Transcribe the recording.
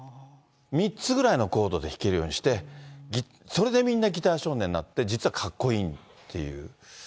３つぐらいのコードで弾けるようにして、それでみんなギター少年になって、実はかっこいいっていう。